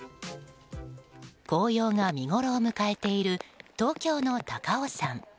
紅葉が見ごろを迎えている東京の高尾山。